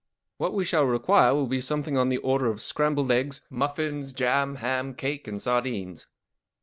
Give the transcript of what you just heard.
What we shall require will be some* thing on the order of scrambled eggs, muffins, jam, ham, cake, and sardines.